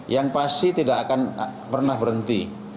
yang pasti tidak akan pernah berhenti